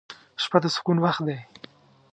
• شپه د سکون وخت دی.